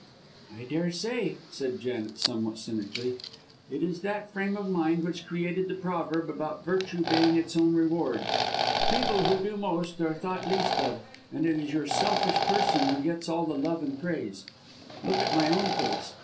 "I daresay," said Janet, somewhat cynically; "it is that frame of mind which created the proverb about virtue being its own reward. People who do most are thought least of, and it is your selfish person who gets all the love and the praise. Look at my own case.